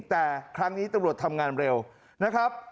แต่ครั้งนี้ตำรวจทำงานเร็วนะครับ